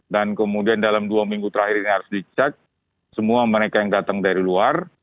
dan kemudian dalam dua minggu terakhir ini harus dicek semua mereka yang datang dari luar